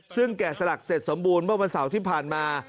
ซึ่งแกะสลักเสร็จสมบูรณ์เมื่อวันเสาร์ที่ผ่านมา